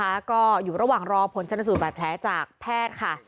แล้วก็อยู่ระหว่างรอผลชนสูตรบาดแผลจากแพทย์ค่ะ